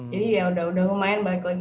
jadi ya sudah lumayan balik lagi